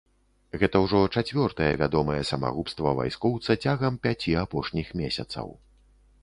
Гэта ўжо чацвёртае вядомае самагубства вайскоўца цягам пяці апошніх месяцаў.